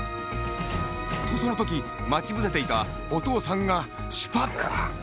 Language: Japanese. とそのときまちぶせていたおとうさんがシュパッ！